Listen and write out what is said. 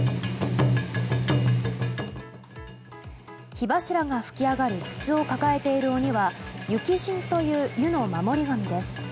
火柱が噴き上がる筒を抱えている鬼は湯鬼神という湯の守り神です。